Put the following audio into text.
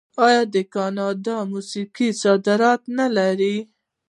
آیا د کاناډا موسیقي صادرات نلري؟